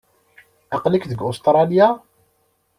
Aql-ik deg Ustṛalya?